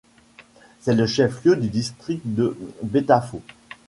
C'est le chef-lieu du district de Betafo.